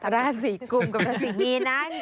ราศีกุมกับราศีมีนนั้น